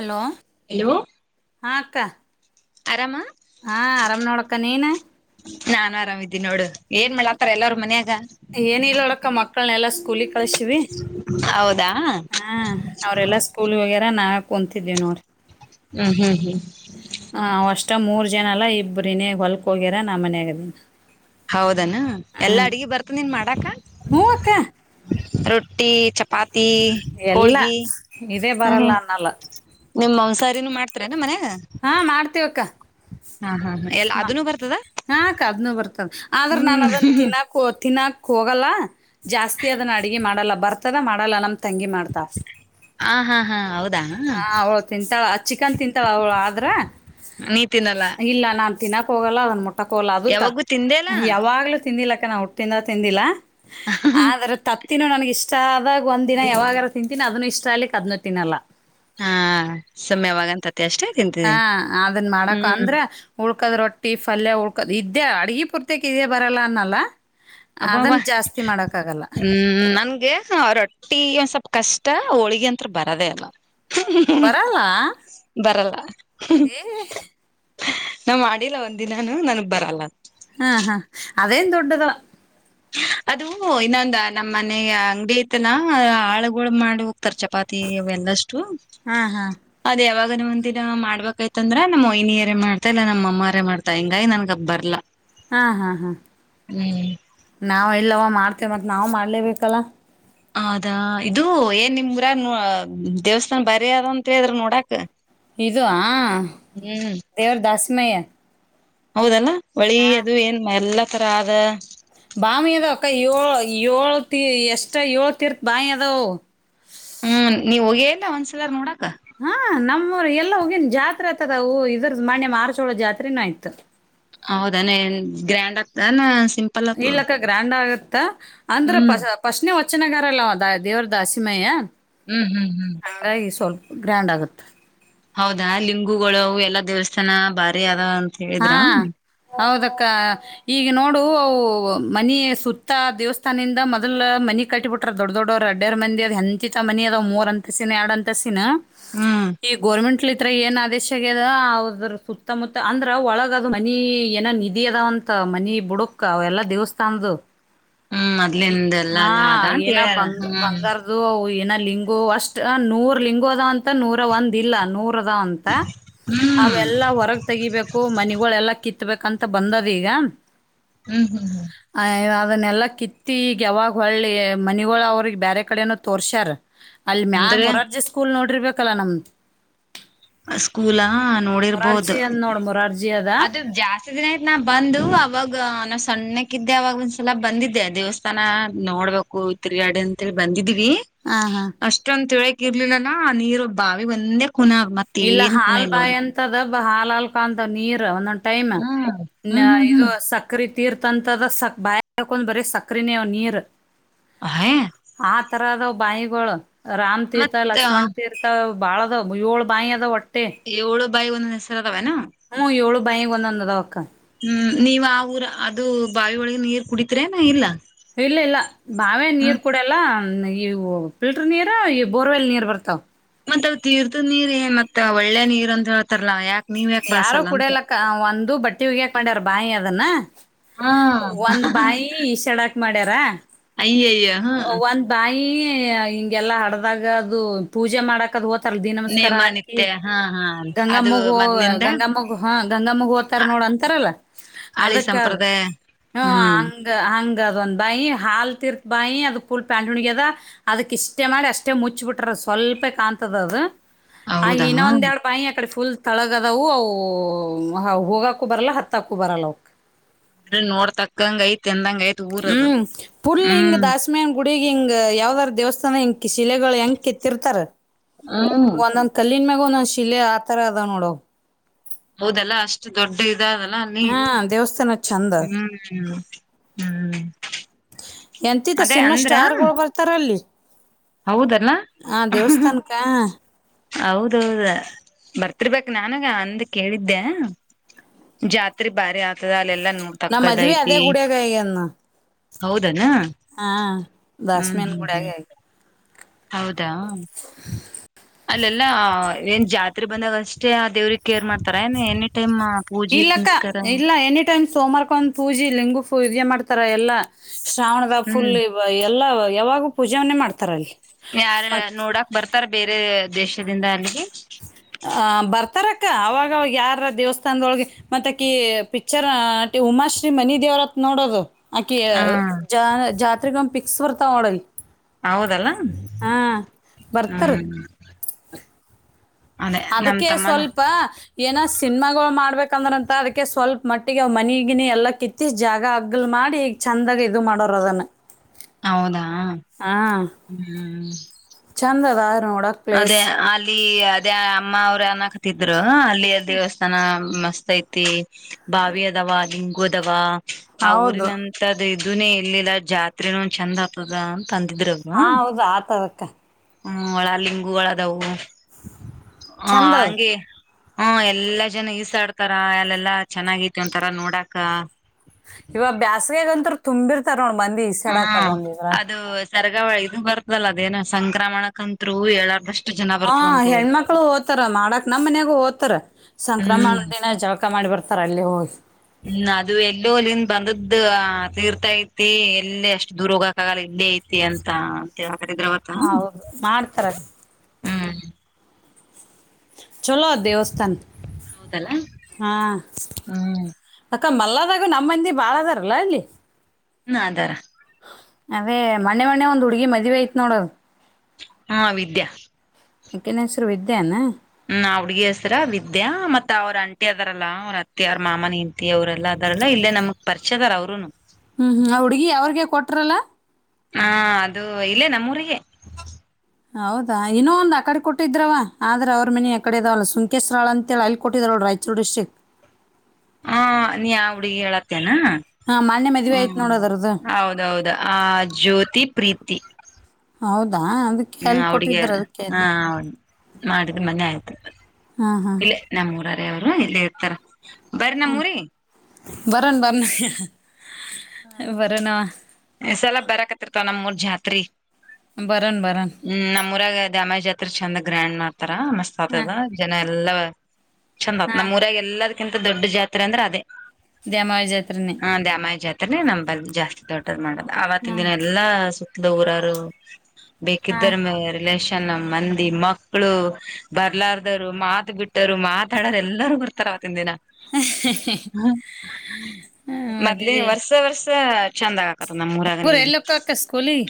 Hello hello ಹಾ ಅಕ್ಕ ಆರಾಮ ಹಾ ಆರಾಮ್ ನೋಡಕ್ಕ ನೀನ್ ನಾನ್ ಆರಾಮ ಇದೀನಿ ನೋಡು ಏನ್ ಮಾಡ ಆತರ ಎಲ್ಲರೂ ಮನ್ಯಾಗ ಏನ ಇಲ್ಲ ಅಳಕ್ಕ ಮಕ್ಕಳನೆ ಎಲ್ಲಾ ಸ್ಕೂಲಗ್ ಕಳಸಿವವಿ ಹೌದಾ ಹಾ ಅವ್ರೆಲ್ಲಾ ಸ್ಕೂಲ್ ವಗ್ಯರ ನಾ ಕುಂತಿದೀವಿ ನೋಡ್ರಿ ಹ್ಮ್ ಹ್ಮ್ ಹ್ಮ್ ಹ ಅಷ್ಟ ಮೂರ್ ಜನ ಅಲ್ಲಾ ಇಬ್ರನೇ ಹೊಲ್ಕ್ ಹೋಗ್ಯರ ನಾ ಮನ್ಯಾಗದನ್ ಹೌದನ ಎಲ್ಲಾ ಅಡಗಿ ಬರ್ತದ ನಿಂಗ ಮಾಡಾಕ ಹೂ ಅಕ್ಕ ರೊಟ್ಟಿ ಚಪಾತಿ ಎಲ್ಲ ಹೋಳಗಿ ಇದೇ ಹ್ಮ್ಮ ಬರಲ್ಲ ಅನ್ನಲ್ಲ ನಿಮ್ ಮಾಂಸಾರನನು ಮಾಡ್ತಾರೆನು ಮನ್ಯಾಗ ಹಾ ಮಾಡ್ತಿವಕ್ಕ ಹಾ ಹಾ ಹಾ ಎಲ್ಲ ಅದನು ಬರ್ತದ ಹಾ ಅಕ್ಕಾ ಹಾಕ್ದನುೂ ಬರ್ತದ ಆದ್ರ ನಾನನ್ ಹ್ಮ್ ಅದನ್ ತಿನ್ನಾಕ ತಿನ್ನಾಕ ಹೋಗಲ್ಲ ಜಾಸ್ತಿ ಅದನ್ನ ಅಡಗೆ ಮಾಡಲ್ಲ ಬರ್ತದ ಮಾಡಲ್ಲ ನಮ ತಂಗಿ ಮಾಡ್ತಾಲ ಆ ಹಾ ಹಾ ಹೌದಾ ಅವಳ ತಿಂತಾಲಾ ಚಿಕನ್ ತಿಂತಾವ ಅವಳ ಆದ್ರ ನೀತಿನಲ್ಲ ಇಲ್ಲ ನಾನ್ ತಿನ್ನಕ್ ಹೋಗಲ್ಲ ಅದನ್ನ ಮುಟ್ಟಕ ಹೋಗಲ್ಲ ಅದು ತ ತಿಂದೇಲ್ಲ ಯಾವಾಗ್ಲ ತಿಂದಿಲ್ಲಕ್ಕ ನ ಹುಟ್ಟಿಂದ ತಿಂದಿಲ್ಲ ಆದ್ರ ತತ್ತಿನ ನನ್ ಇಷ್ಟ ಅದಾಗ ಒಂದದಿನ ಯಾವಾಗಾರ ತಿಂತಿನಿ ಅದನ್ನು ಇಷ್ಟ ಆಲಿಕ್ಕೆದ ನೋ ತಿಿನಲ್ಲ ಹಾ ಸುಮ್ ಯಾವಾಗಂತತಿ ಅಷ್ಟೇ ಹಾ ತಿಂತಿದೀನಿ ಅದನ್ ಮಾಡಕ ಹ್ಮ್ ಅಂದ್ರೆ ಉಳ ಉಳ್ಕದ್ ರೊಟ್ಟಿ ಫಲ್ಯ ಉಳ್ಕದ ಇದ್ದೇ ಅಡ್ಗಿ ಪೂರ್ತಕ್ ಇದೇ ಬರಲ್ಲ ಅನ್ನಲ್ಲ ಅಬ್ಬಬ ಅದನ್ ಜಾಸ್ತಿ ಮಾಡಕ್ ಆಗಲ್ಲ ಹ್ಮ ನನ್ಗೆ ರೊಟ್ಟಿ ಒಂದ ಸ್ವಪ ಕಷ್ಟ ಷ್ಟ ಹೋಳಗ ಅಂತ್ತ್ರ ಬರದೇ ಅಲ್ಲ ಬರಲ್ಲ ಬರಲ್ಲ ಏ ನಾವ್ ಮಾಡಿಲ್ಲ ಒಂದಿದಿನನು ನನಗ ಬರಲ್ಲ ಹಾ ಹಾ ಅದೇ ಏನೂ ದೊಡ್ಡದು ಅದು ಇನ್ನೊಂದ ನಮ್ಮ್ ಮನೆಗೆ ಅಂಗಡಿ ತನ ಆಳ್ಗಳು ಮಾಡುವ ತರ ಚಪಾತಿ ಎಲ್ಲಷ್ಟು ಹಾ ಹಾ ಅದ ಯಾವಾಗ ಒಂದಿನನನ ಮಾಡ್ಬೇಕಾಯತಂದ್ರ ನಮ್ಮ್ ವಹಿನಿಯರೇ ಮಾಡ್ತಾ ಇಲ್ಲ ನಮ ಅವ್ವ ಅರೆ ಮಾಡ್ತಾ ಹಿಂಗ ನನಗ ಬರಲ್ಲ ಹಾ ಹಾ ಹಾ ನಾವ್ ಇಲ್ಲವ ಮಾಡ್ತೆವೆ ಮತ್ತ್ ನಾವ್ ಮಾಡ್ಲೇಬೇಕಲ್ಲ ಹದಾ ಇದು ಏನ್ ನಿಮ ಊರಾಗ ದೇವಸ್ಥಾನ ಬರಿ ಅದಂತ ಹೇಳಿದ್ರ ನೋಡಕ್ ಇದು ಆ ದೇವ್ರ ದಾಸಮಯ ಹೌದಲ್ಲ ಹೊಳಿ ಅದು ಏನ್ ಎಲ್ಲಾ ತರ ಆದ ಬಾವಿ ಅದ ಅಕ್ಕ ಏಳ ಏಳು ತೀ ಎಷ್ಟ ಏಳು ತೀರ್ ಬಾಯಿ ಅದಾವ ನೀ ಹೋಗಿ ಏನೂ ಒಂದ್ಸಲ ನೋಡಕ ಹ ನಮ್ಮ್ರು ಎಲ್ಲಾ ಹೋಗಿನ್ ಜಾತ್ರೆ ಆತದವು ಇದ್ರದ ಮಣ್ಯ ಮಾರ್ಚೋಳೋ ಜಾತ್ರೆನೂ ಆಯ್ತು ಹೌದಾನೇ ಗ್ರ್ಯಾಂಡ್ ಆಗ್ತಾನ ಇಲಕ್ಕ ಗ್ರ್ಯಾಂಡ್ ಆಗತ್ತ ಅಂದ್ರ ಹ್ಮ್ ಪಶ್ನೆ ವಚನಗ ಲ್ಲ ದೇವ್ರದ ಹಸಿಮಯ್ಯ ಹ್ಮ್ ಹ್ಮ್ ಹ್ಮ್ ಹಾಗಾಗಿ ಸ್ವಲ್ಪ ಗ್ರ್ಯಾಂಡ್ ಆಗುತ್ತೆ ಹೌದಾ ಲಿಂಗುಗಳು ಎಲ್ಲಾ ದೇವಸ್ಥಾನ ಬಾರಿ ಅದ ಅಂತ ಹಾ ಹೇಳಿದ್ರ. ಹೌದಕ್ಕ ಈಗ ನೋಡು ಅವು ಮನಿ ಸುತ್ತ ದೇವಸ್ಥಾನದಿಂದ ಮೊದಲ ಮನನೆ ಕಟ್ಟಿಬಿಟ್ರ ದೊಡ್ಡ ದೊಡ್ಡವರು ರೆಡ್ಡಿಡೆರ ಮಂದಿ ಅ ಹೆಂಚಿ ತ ಮನ ಅದ್ ಮೂರ ಅಂತಸಿನ ಎರಡು ಅಂತಸಿನ ಹ್ಮ್ ಈ ಗೌರ್ಮೆಂಟ್ತ್ರ ಏನ್ ಆದೇಶ ಆಗದ ಅದ್ರ ಸುತ್ತಮುತ್ತ ಅಂದ್ರ ಒಳಗ ಅದು ಮನಿ ಏನೋ ನಿಧಿ ಅದಾವಂತ ಮನಿ ಬುಡಕ ಅವ ಎಲ್ಲಾ ದೇವಸ್ಥಾನದ ಹ್ಮ್ ಮೊದ್ಲಿಂದ ಎಲ್ಲಾ ಹಾ ಅಲ್ಲ ಅದ ಅಂತ ಏನ ಹೇಳ್ಯಾರ ಬಂಗ ಹ್ಮ್ ಬಂಗಾರದು ಏನ ಲಿಂಗೋ ಅಷ್ಟ ನೂರ್ ಲಿಂಗೋ ಅದ ಅಂತ ನೂರ ಒಂದ್ ಇಲ್ಲ ನೂರ ಅಂತ ಹ್ಮ್ ಅವೆಲ್ಲಾ ಹೊರಗ ತೆಗಿಬೇಕ ನಿವುಗಳೆಲ್ಲಾ ಕಿತ್ಬೇಕಂತ ಬಂದದೀಗ ಹ್ಮ್ ಹ್ಮ್ ಹ್ಮ್ ಅದನ್ನೆಲ್ಲಾ ಕಿತ್ತಿ ಈಗ ಯಾವಾಗ ಹೊಳ್ಳಿ ಮನಿಗಳ ಅವ್ರಿಗೆ ಬೇರೆ ಕಡೆನೂ ತೋರ್ಸ್ಯಾರ್ ಅಲ್ಲಿ ಮ್ಯಾಗ್ ಅಂದ್ರೆ ಮೊರಾರ್ಜಿ ಸ್ಕೂಲ್ ನೋಡಿರ್ಬೇಕಲ್ಲಾ ನಮ್ದು ಸ್ಕೂಲಾ ನೋಡಿರ್ಬೋದು ಮೊರಾರ್ಜಿ ಅಂದ್ ನೋಡ್ ಮೊರಾರ್ಜಿ ಅದ ಅದು ಜಾಸ್ತಿ ದಿನ ಆಯ್ತು ನಾ ಬಂದು ಅವಾಗ ನಾ ಸಣ್ಣಕ್ಕಿದ್ದೆ ಅವಾಗ ಒಂದ್ಸಲ ಬಂದಿದ್ದೆ ದೇವಸ್ಥಾನ ನೋಡ್ಬೇಕು ತಿರುಗಾಡೆ ಅಂತೇಳಿ ಬಂದಿದ್ದೀ ಹಾ ಹಾ. ಅಷ್ಟೊಂದ ತಿಳೋಕ ಇರ್ಲಿಲ್ಲಲ ಆ ನೀರು ಬಾವಿ ಒಂದೇ ಖನ ಆಗ್ ಇಲ್ಲ ಹಾಲ್ ಬಾಯಿ ಅಂತದ ಹಾಲ್ ಹಾಲ್ಕಂತ ನೀರ ಒಂದಂ ಟೈಮ್ ಹ್ಮ್ ನ ಹ್ಮ್ ಹ್ಮ್ ಇದು ಹ್ಮ್ ಸಕ್ರಿ ತೀರ್ಥ ಹಂತದ್ ಸ ಬಾಯ ಹಾಕೊಂಡ್ ಬರೀ ಸಕ್ರಿನೆ ಅವ ನೀರ್. ಅಹೇ ತರದ ಬಂವಿಗೋಳ ರಾಮ್ ತೀರ್ಥ ಮತ್ತ ಲಕ್ಷ್ಮಣ್ ತೀರ್ಥ ಬಾಳದ ಯೊಳ ಬ್ಯಾಂವಿ ಅದಾವ್ ಒಟ್ಟ ಏಳು ಬಾಯಿ ಒಂದೊಂದ್ ಹೆಸರ ಆದಾವೇನ ಮನಿಗಿ ಒಂದೊಂದ ಅದಾವ ಅಕ್ಕಾ. ಹ್ಮ್ ನೀವ್ ಆ ಊರ ಅದು ಬಾವಿ ಒಳಗಿನ ನೀರ್ ಕುಡಿತಿರ ಏನ್ ಇಲ್ಲ ಇಲ್ಲ ಇಲ್ಲ ಬಾಂವ್ಯಾನ್ ಹ್ಮ ನೀರ್ ಕುಡಿಯಲ್ಲ ಇವು ಫಿಲ್ಟ್ರರ್ ನೀರ ಇ ಬೋರ್ವೆಲ್ ನೀರ್ ಬರ್ತಾವ ಮತ್ತ ಅದ ತೀರ್ಥದ್ ನೀರ್ ಏನ್ ಮತ್ ಒಳ್ಳೆ ನೀರ್ ಅಂತ ಹೇಳ್ತಾರಲ್ಲಾ ಯಾಕ ನೀವ್ ಯಾಕ ಯಾರೂ ಬಳಸಲ್ಲ ಕುಡಿ ಅಂತ ಯಲ್ಲಕ್ಕ ಒಂದು ಬಟ್ಟೆ ಒಗ್ಯಾಕ್ ಮಾಡ್ಯಾರ್ ಬಾಂವಿ ಅದನ್ನ ಹಾ ಒಂದ್ ಬಾಯಿ ಇಸ್ಯಾಡಾಕ್ ಮಾಡ್ಯಾರ ಅಯಯ್ಯ ಹ ಈ ಹಿಂಗೆಲ್ಲಾ ಹಡದಾಗ ಅದು ಪೂಜೆ ಮಾಡಕದು ಹೊ ತರಲ್ಲ ದಿಡ ನಮಸ್ಕಾರ ನೇಮ ಹಾಕಿ ನಿತ್ಯ ಹಾ ಹಾ ಅದು ಗಂಗಾಮಗು ಮೊದ್ಲಿಂದ ಗಂಗ ಮಗು ಹಾ ಗಂಗ ಮಗು ಹೊತಾರ ನೋಡ್ ಅಂತಾರಲ್ಲ ಹಳಿ ಅದಕ್ಕದ್. ಸಂಪ್ರದಾಯ ಹ್ಮ ಹ್ಮ್ ಹಂಗ ಹಂಗ ಅದ ಒಂದ್ ಬಾಯಿ ಹಾಲ್ತಿರ್ತಿ ಬಾಯಿ ಅದು ಫುಲ್ ಪ್ಯಾಂಟ್ಯೂನಿಗಿ ಅದ ಅದಕ್ ಇಷ್ಟೇ ಮಾಡಿ ಅಷ್ಟೇ ಮುಚ್ಚಬಿಟ್ರದ ಸ್ವಲ್ಪೇ ಕಾಣ್ತದ ಅದ ಆ ಹೌದಾ ಇನ್ನ ಒಂದ ಎರಡ್ ಬಾಯಿ ಅಕಡೆ ಫುಲ್ ತಳಗ ದವು ಅವ ಹೋಗಾಕು ಬರಲ್ಲ ಹತ್ತಾಕು ಬರಲ್ಲ ಅವ. ಅ ನೋಡ್ ತಕ್ಕಂಗ ಐತಿ ಅಂದಂಗ್ ಹ್ಮ ಪುಲ್ ಹಿಂಗ್ ದಾಸಮಿಯನ್ ಗುಡಿ ಹಿಂಗ ಯಾವ್ದ್ರ ದೇವಸ್ಥಾನ ಶಿಲೆಗಳು ಹೆಂಗ ಕೆತ್ತಿರ್ತಾರೆ ಹ್ಮ್ ಒಂದೊಂದ್ ಕಲ್ಲಿನ್ ಮ್ಯಾಲ್ ನು ಶಿಲೆ ಆತರ ಅದಾವ ನೋಡ ಅವ ಹೌದಲ್ಲ ಅಷ್ಟು ದೊಡ್ಡ ಇದ ಅದಲ್ಲ ಅಲ್ಲಿ. ಹಾ ದೇವಸ್ಥಾನ ಚಂದ ಅದ್ ಇನ್ನ ಹ್ಮ್ ಎಂತಿತ ಅದೇ ಸಿನಿಮಾ ಸ್ಟಾರ್ ಅಂದ್ರ ಗಳು ಬರ್ತಾರಲ್ಲ. ಹೌದಲ್ಲ ಹು ಹು ದೇವಸ್ಥಾನಕ್ಕ ಹೌದೌಹೌದ ಬರ್ತಿರ್ಬೇಕ ನಾನಗ ಅಂದ ಕೇಳಿದ್ದೆ. ಜಾತ್ರೆ ಭಾರಿ ಆಗ್ತದ ಅಲ್ಲೆಲ್ಲಾ ನಮ್ ಮದ್ವಿ ಅದೇ ನೋಡ್ತಕ್ಕದಐತಿ ಗುಡಿಯಾಗ ಆಗ್ಯದ ನೋಡ್ ಹೌದನ ಹಾ ಹ್ಮ್ ದಾಸ್ಮ್ಯಾನ್ ಹ್ಮ್ ಹ್ಮ್. ಗುಡಿಯಾಗೆ ಆಗ್ ಹೌದಾ ಅಲ್ಲೆಲ್ಲ ಏನ್ ಜಾತ್ರಿ ಬಂದಾಗ ಅಷ್ಟೇ ಆ ದೇವ್ರಗಿ ಕೇರ್ ಮಾಡ್ತಾರ ಏನ ಎನಿ ಟೈಮ್ ಪೂಜಿ ಪುನಸ್ಕಾರ. ಸೋಮಾರಕೊಂದ ಪೂಜಿ ಲಿಂಗು ಪೂಜಿ ಮಾಡ್ತಾರ ಎಲ್ಲಾ ಶ್ರಾವಣದಾಗ್ ಫುಲ್ ಹ್ಮ್ ಎಲ್ಲ ಯಾವಾಗು ಪೂಜನ ಮಾಡ್ತಾರ ಅಲ್ಲಿ. ಯಾರರ ಮತ್ ನೋಡಕ್ ಬರ್ತಾರ ಬೇರೆ ದೇಶದಿಂದ ಅಲ್ಲಿಗೆ ಅ ಬರ್ತಾರಕ್ಕ ಅವಾಗವಾಗ ಯಾರ ದೇವಸ್ಥಾನದೊಳಗ ಮತ್ತ ಅಕಿ ಪಿಕ್ಚರ್ ನಟಿ. ಉಮಾ ಶ್ರೀ ಮನಿ ದೇವ್ರತ್ ನೋಡದು ಅಕಿ ಹ ಜಾ ಜಾತ್ರಿಗಿ ಒಮ್ಮಿ ಪಿಕ್ಸ್ ಬರ್ತಾಳ ನೋಡ ಅಲ್ಲಿ. ಹೌದಲ್ಲ ಬರ್ತಾರ ಹ್ಮ್. ಅದೇ ನಮ್ ಅದಕ್ಕೆ ತಮ್ಮನ ಸ್ವಲ್ಪ ಏನ ಸಿನ್ಮಾಗೋಳ ಮಾಡ್ಬೇಕ. ಯಾಕಂದ್ರ ಅಂತ ಅದಕ್ಕೆ ಸ್ವಲ್ಪ ಮಟ್ಟಿಗೆ ಅವ ಮನಿಗಿನೇ ಎಲ್ಲ ಕಿತ್ತಿ ಜಾಗ ಅಗ್ಗಲ್ ಮಾಡಿ ಈ ಚಂದಾಗ ಇದು ಮಾಡೋರ ಪ್ರದನ್ ಹೌದಾ ಹ್ಮ. ಚಂದ ಅದಾ ಅದೇ ಅಲ್ಲಿ ಅದೇ ಅಮ್ಮ ಅವ್ರ ಅನಕತಿದ್ರ ಅಲ್ಲಿ ದೇವಸ್ಥಾನ ಮಸ್ತ್ ಐತಿ ಬಾವಿ ಅದವ ಲಿಂಗು ಅದವ ಆ ಹೌದು ಊರಿನಂತದ ಇವನೇ ಇರಲ್ಲಿಲ ಜಾತ್ರೆನು ಚೆಂದ್ ಆತದ ಅಂತ ಅಂದಿದ್ರ ಅವ ಹಾ ಹೌದು ಆತದಕ್ಕ ಹ್ಮ ಒಳ ಲಿಂಗು ಒಳ ಅದವು ಹ ಚಂದ ಅದ ಹಂಗೆ ಹ್ಮ ಎಲ್ಲಾ ಜನ ಈಸಾಡ್ತಾರ ಅಲ್ಲೆಲ್ಲಾ ಚನ್ನಾಗೈತಿ ಒಂತಾರ ನೋಡಾಕ ಇವಾಗ್ ಬ್ಯಾಸಗಗಂತರು ತುಂಬಿರ್ತಾರ ನೋಡ್ ಮಂದಿ ಈಸಾಡಕ್ದ ಒಂದಿದ್ರಾಗ ಸರ್ಗಾವಳಿ ಇದು ಬರ್ತಲ್ಲ ಅದೇನು ಸಂಕ್ರಮಣ ಕಂತ್ರು ಏಳಾರ್ದಷ್ಟು ಹಾ ಹೆಣ್ಮಕ್ಳು ಓದತಾರ ಮಾಡಕ್ ನಮ್ ಮನ್ಯಾಗು ಒತರ ಸಂಕ್ರಮಣ ಹ್ಮ್ ದಿನ ಜಳಕ ಮಾಡಿ ಬರ್ತ ತರಲ್ಲ ಹೋಗಿ ಹ್ಮ್ ಅದು ಎಲ್ಲೋ ಅಲ್ಲಿಂದ ಬಂದ್ದ ತೀರ್ತ ಐತಿ ಎಲ್ಲ ಅಷ್ಟು ದೂರ ಹೋಗಕ ಆಗಲ್ಲಗಿ ಇದೇ ಐತಿ ಅಂತ ಅಂತಕಿದ್ರವತ ಹೌದು ಮಾಡ್ತಾರ ಹ್ಮ್ ಚಲೋ ಅದ ದೇವಸ್ಥಾನ ಹೌದಲ್ಲಾ ಹಾ ಹ್ಮ್ ಅಕ್ಕ ಮಲ್ಲದಾಗು ನಮ್ಮಂದಿ ಬಾಳದಾರಲ್ಲ ಅಲ್ಲಿ ಹ ಅದಾರ. ಅದೇ ಮಣ್ಣೆ ಮಣ್ಣೆ ಒಂದ್ ಹುಡ್ಗಿ ಮದ್ೆ ಆಐತ್ತ್ ನೋಡೋದು ಹಾ ವಿದ್ಯಾ ಯಕೆ ನ ಹೆಸರು ವಿದ್ಯಾನ ಹ್ಮ ಹುಡ್ಗಿ ಹೆಸರ ವಿದ್ಯಾ ಮತ್ತತ್ ಅವ್ರ ಅಂಟಿ ಅದಾರಲ್ಲ ಅವ್ರ ಅತ್ತಿ ಅವ್ರ ಮಾಮನ ಇಂತಿ ಅವರೆಲ್ಲ ಅರಲ್ಲಾ ಇ ನಮ್ಗ್ ಪರಿಚದರ್ ಅವ್ರರುನು ಹ್ಮ್ ಹುಡ್ಗಿ ಅವ್ರಿಗೆ ಕೊಟ್ರಲ್ಲ ಹಾ ಅದು ಇಲ್ಲೇ ನಮ್ಮೂರಿಗೆ ಹೌದಾ ಇನ್ನೊ ಒಂದು ಆ ಕಡೆ ಕೊಟ್ಟಿದ್ರವ ಆದ್ರೆ ಅವ್ರ ಮನಿ ಅಕಡೆ ಇದಾವಲ್ಲ ಸುಂಕೇಶ್ರರಳ ಅಂತೇಳಿ ಅಲ್ಲಿ ಕೊಟ್ಟಿದ್ರಳ ರಾಯಚೂ ಡಿಸ್ಟ್ರಿಕ್ ಹಾ ನೀ ಹುಡುಗಿ ಹೇಳತ್ತೇನೆ ಹಾ ಮೊನ್ನೆ ಮದ್ವೆ ಆಯ್ತು ಹ್ಮ ನೋಡು ಅದ್ರದ್ದು ಹೌದೌದು ಆ ಜ್ಯೋತಿ ಪ್ರೀತಿ [unintelligible] ಹೌದಾ ಅದಕ್ಕೆ ಹ್ಮ ಅಲ್ಲಿ ಅವಡ್ಗೆ ಕೊಟ್ಟಿದ್ರು ಅದಕ್ಕೆ ಹಾ ಹ ಮಾಡಿದ ಮನ್ ಆಯ್ತು ಹಾಂ ಹಾಂ ಇಲ್ಲೇ ನಮ್ಮೂರರ ಅವರು ಇಲ್ಲೇ ಇರ್ತಾರ ಬರ ನಮ್ಮೂರಿ ಬರಣ ಬರ್ಣ ಹ ಸಲ ಬರಕತಿರ್ತವ ನಮ್ ಮೂರ್ ಜಾತ್ರಿ ಬರೋಣ ಬರೋಣ ಹ್ಮ್ ನಮ್ಮ್ಊರಾಗ ಅದೆ ಅಮೇಜ್ ಹತ್ರ ಚಂದ ಗ್ರ್ಯಾಂಡ್ ಮಾಡಾರ್ತ ತರ ಮಸ್ತ್ ಹಾಂ ಆತದ ಜನ ಎಲ್ಲಾ ಚಂದ ಆತ ಹಾಂ ನಮ್ಮ್ಊರಾಗ ಎಲ್ಲ ಅದಂತ ದೊಡ್ಡ ಜಾರೆ ಅಂದ್ರೆ ಅದೇ ಇದ ದೇಮವ ಜಾತ್ರನೆ ನಮಲ್ಲಿ ಜಾಸ್ತಿ ದೊಡ್ಡದ್ ಮಾಡದು ಆವತ್ತಿನ ಹಾಂ ದಿನ ಎಲ್ಲಾ ಸುತ್ತದ ಊರರು ಬೇಕಿದ್ದ್ರ ಹಾಂ ರಿಲೇಷನ್ ಚೆನ್ನಮ್ಮ್ ಮಂದಿ ಮಕ್ಕಳು ಬರ್ಲಾರ್ದರು ಮಾತ ಬಿಟ್ಟರು ಮಾತಾಡರು ಎಲ್ಲಾರೂ ಬರ್ತಾರ ಅವತ್ತಿನ ದಿನ ಹ್ಮ ಮದುವ ಸ ಚಂದಾಗ ಆಕತ್ ನಮ್ಮ್ೂರಾಗನಗ ಹೋಗಕ್ಕ ಸ್ಕೂಲಿಗೆ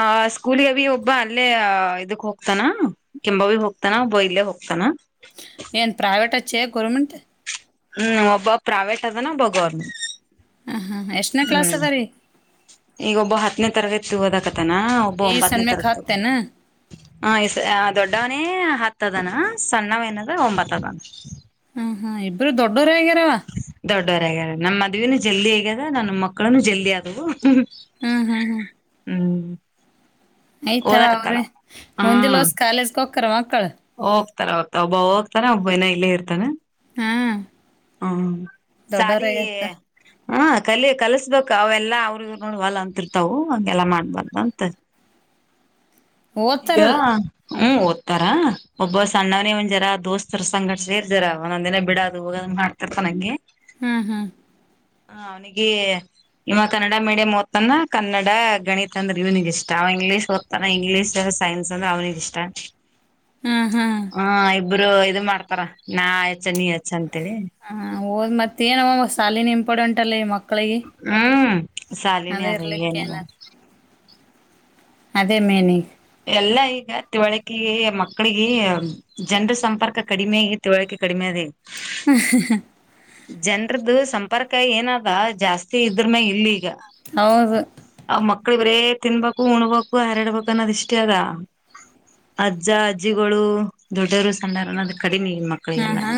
ಆ ಸ್ಕೂಲ್ಗೆ ಭ ಒಬ್ಬ ಅಲ್ಲೇ ಇದಕ್ ಹೋಗ್ತಾನ ಕೆಂಬ ಭಿ ಹೋಗ್ತಾನ ಒಬ್ಬ ಇಲ್ಲೇ ಹೋಗ್ತಾನ ಏನ್ ಪ್ರೈವೇಟ್ಚ್ಚೇ ಗೌರ್ನಮೆಂಟ್ ಹ್ಮ್ ಒಬ್ಬ ಪ್ರೈವೇಟ್ ಅದಾನ ಒಬ್ಬ ಗೌರ್ಮೆಂಟ್ ಹಾಂ ಹಾಂ ಎಷ್ಟನೇ ಕ್ಲಾಸ್ ಹ್ಮ್ ಅದ ರೀ ಈಗ ಒಬ್ಬ ಹತ್ತನೇ ತರಗತಿ ಹದಕತಾನ ಒಬ್ಬ ಈ ಒಂಬತ್ತನೇ ಸನ್ಮ್ಯಾಕ ತರತಿ ಹಾಕ್ತೇನ ಹ ದೊಡ್ಡ ಮನ ಹತ್ತದನ ಸಣ್ಣವೇನದ ಒಂಬತ್ತುದನ ಹ ಹಾ ಇಬ್ಬರು ದೊಡ್ಡೋರು ಹೇಗ್ಯಾರವ ದೊಡ್ಡವರಗ ನಮ್ಮ ಮದ್ನುೂ ಜಲ್ದಿ ಹಗ್ಯದ ನಮ್ಮ ಮಕ್ಕಳನು ಜಲ್ದಿ ಆದವು ಹ್ಮ್ ಹ್ಮ್ ಹ್ಮ್ ಹ್ಮ್ ಆಯ್ತ ಅವ್ರ ಓದಕತ್ತಾರ ಹಾ ಮುಂದಲ್ಸ್ ಕಾಲೇಜ್ಗೆ ಹಕ್ಕರ ಮಕ್ಕಳ ತರ ಹೋಗತ ಒಬ್ಬೋಗತಾ ಒಬಯನ ಇಲ್ಲೇ ಇರ್ತಾನ ಹಾ ದೊಡ್ಡೋರಾಗತ್ತ ಹಾ ಕಲಿ ಕಲ್ಸ್ಬೇಕ ಅವೆಲ್ಲ ಅವ್ರ ನೋಡವಲ್ ಅಂತಿರ್ತಾವ ಹಗೆಲ್ಲಾ ಮಾಡ್ಬಾರ್ದ ಅಂತ [unintelligible] ಈಗ ಓದ್ತಾರಲ್ಲ ಹ್ಮ್ ಓದ್ತಾರ ಒಬ್ಬ ಸಣ್ಣವನೇ ಒಂದ್ ಜರ ದೋಸ್ತರ ಸಂಗಡ ಸೇರ್ ಜರ ಒಂದೊಂದ ದಿನ ಬಿಡದು ಹ ಮಾಡ್ತರ್ತ ನಂಗೆ ಹ್ಮ್ ಹ್ಮ್ ಹ ಅವ್ನಿಗೆ ನಿಮ್ಮ ಕನ್ನಡ ಮೀಡಿಯಂ ತ್ತನ ಕನ್ನಡ ಗಣಿತ ಅಂದ್ರೂನಿಗೆ ಇಷ್ಟ ಅವ ಇಂಗ್ಲೀಷ್ ಓದ್ತಾನ ಇಂಗ್ಲೀಷ್ ಸೈನ್ಸ್ ಅಂದ್ರೆ ಅವನಿಿಗೆ ಇಷ್ಟ ಹ್ಮ್ ಹ್ಮ್ ಹ ಇಬ್ರು ಇದು ಮಾಡ್ತಾರ ನಾ ಯಚ್ಚ ನೀ ಹಚ್ಚ ಅಂತೇಳಿ ಹ ಹಓದ್ ಮತ್ತೇಏನ ಸಾಲಿನ ಇಂಪಾರ್ಟೆಂಟ್ ಅಲ್ಲ ಮಕ್ಕ ಮ ಕಳಿಗೆ ಹ್ಮ್ ಅದ ಸಾಲಿನೇ ಏನೇನ ಇರಲಕ್ಕಂದ ಅದೇ ಮೇನಿ ಎಲ್ಲ ಈಗ ತಿವಳಿಕೆಗೆ ಮಕ್ಕಳಿಗೆ ಜನರ ಸಂಪರ್ಕ ಕಡಿಮೆ ಈದ ತಿವಳಿಕಿ ಕಡಿಮೆ ಅದ ಈಗ ಹಾ ಹಾ ಜನ್ರದ ಸಂಪರ್ಕ ಏನ ಅದ ಜಾಸ್ತಿ ಇದ್ರ ನ್ ಇಲ್ಲಿ ಈಗ ಹೌದು ಅವ ಮಕ್ಳು ಬರೇ ತಿನ್ಬೇಕು ಉಣಬೇಕು ಹಾರಡ್ಬೇಕು ಅನ್ನೋದ ಇಷ್ಟ ರ ಅಜ್ಜ, ಅಜ್ಜಿಗಳು, ದೊಡ್ಡೋರು, ಸಣ್ಣಾರಣ ಕಡಿಮೆ ಹ್ಮ ಮಕ್ಕಳಿಗೇಲ್ಲಾ ಹಾ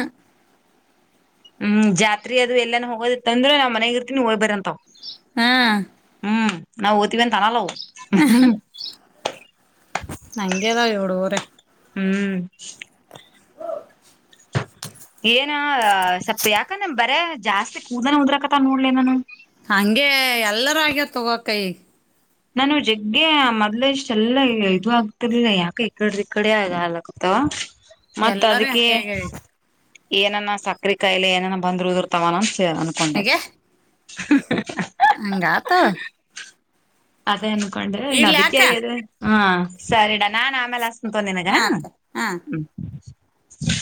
ಹ್ಮ್ ಜಾತ್ರಿ ಅದು ಎಲ್ಲಾನ ಹೋಗೋದಿತ್ತ ಅಂದ್ರೆ ನಾವ್ ಮನೆಗ ಇರ್ತೀನಿ ಹೋಗ್ಬರಂತಾವ್ ಹಾ ಹ್ಮ್ ನಾವು ಓತಿವಿ ಅಂತ ಅನ್ನಲ್ಲವು ಹಂಗೆದವ ಹುಡುಗುರೆಲ್ಲ ಹ್ಮ್ [unintelligible] ಏನ ಸ್ವಲ್ಪ್ ಯಾಕ ನಮ ಬರೆ ಜಾಸ್ತಿ ಕೂದಲಾನ ಉದ್ರಕತ ನೋಡ್ಲ ನನು ಹಂಗೆ ಎಲ್ಲರ ಆಗ್ಯವ ತಗೋ ಅಕ್ಕ ಈಗ ನಾನು ಜಗ್ಗೆ ಮೊದ್ಲೆ ಇಷ್ಟೆಲ್ಲ ಇದು ಆಗ್ತಿರ್ಲಿಲ್ಲ ಯಾಕ ಈಕಡ ಇ ಕಡೆ ಆಲ್ ಆಗತ ಆ ಮತ್ತೆ ಎಲ್ಲರೂ ಅದಕ್ಕೆ ಹಂಗೆ ಆಗ್ಯಾವ ಈಗ ಏನನ ಸಕ್ರೆ ಕಾಯಿಲೆ ಏನನ ಬಂದ್ರು ಉರ್ದ್ರ ಏನ ಸ ಅನ್ಕೊಂಡೆ ಹೇಗೆ ಹಂಗ ಆತವ ಅದೇ ಅನ್ಕೊಂಡ್ರೆನ್ ಇಡ್ಲಿ ಅಕ್ಕ ಅದಕ್ಕೆಯ್ಯದೆ ಹಾ ಸರಿಡ ನಾನ್ ಆಮೇಲೆ ಹಚ್ ತೊಂದಿನಾಗ ಹಾ ಅಕ್ಕ ಹಾ ಹ [unintelligible]